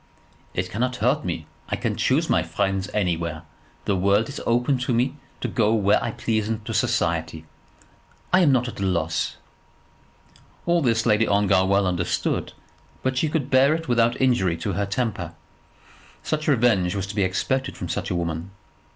"It cannot hurt me. I can choose my friends anywhere. The world is open to me to go where I please into society. I am not at a loss." All this Lady Ongar well understood, but she could bear it without injury to her temper. Such revenge was to be expected from such a woman.